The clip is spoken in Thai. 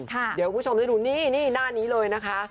เดี๋ยวคุณผู้ชมได้ดูนี่หน้านี้เลยนะคะ